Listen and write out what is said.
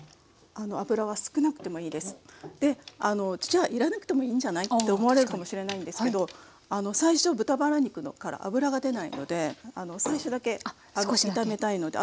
じゃあ入れなくてもいいんじゃないって思われるかもしれないんですけど最初豚バラ肉から脂が出ないので最初だけ炒めたいので。